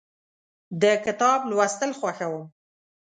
د کتاب لوستل خوښوم.